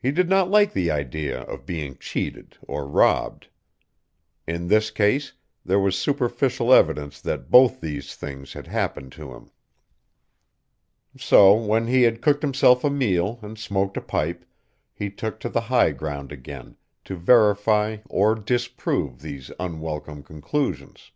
He did not like the idea of being cheated or robbed. In this case there was superficial evidence that both these things had happened to him. So when he had cooked himself a meal and smoked a pipe, he took to the high ground again to verify or disprove these unwelcome conclusions.